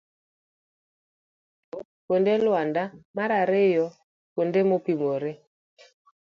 mokuongo. kuonde luanda. mar ariyo kuonde mopimore.